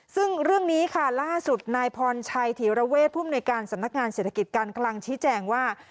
ซึ่งเรื่องนี้ค่ะล่าสุดนายพรชัยธีระเวทผู้มนุยการสำนักงานเศรษฐกิจการคลังชี้แจงว่า